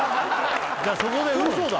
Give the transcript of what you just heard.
じゃあそこで嘘だ